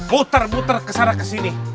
muter muter kesana kesini